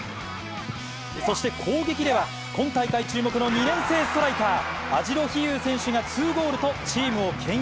そして攻撃では、今大会注目の２年生ストライカー、網代陽勇選手が２ゴールと、チームをけん引。